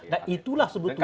nah itulah sebetulnya